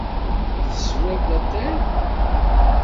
Teswiḍ latay?